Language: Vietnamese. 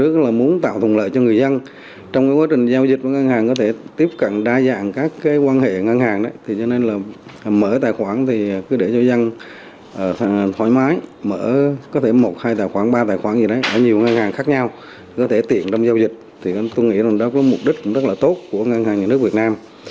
còn đối tượng giao dịch tôi nghĩ đó có mục đích rất là tốt của ngân hàng nhuộc nước việt nam